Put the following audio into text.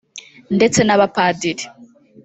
ndetse n’abapadiri